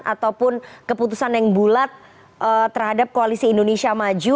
ataupun keputusan yang bulat terhadap koalisi indonesia maju